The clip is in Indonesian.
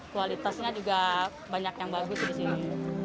kualitasnya juga banyak yang bagus di sini